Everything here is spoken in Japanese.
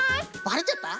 ばれちゃった？